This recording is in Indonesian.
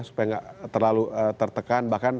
supaya nggak terlalu tertekan